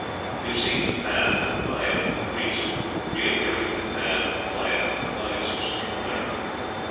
We have seen the Pan and Maia of the Greeks reappearing in the Pan and Maya of the Mayas of Central America.